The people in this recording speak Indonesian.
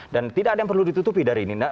dan tidak ada yang perlu ditutupi dari ini